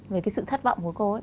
về cái sự thất vọng của cô ấy